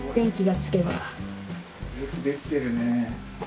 よく出来てるね。